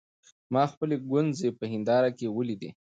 ما خپلې ګونځې په هېنداره کې وليدې.